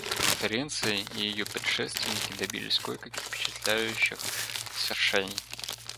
Конференция и ее предшественники добились кое-каких впечатляющих свершений.